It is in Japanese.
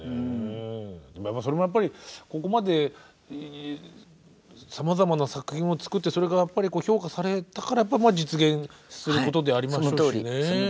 それもやっぱりここまでさまざまな作品を作ってそれが評価されたから実現することでありましょうしね。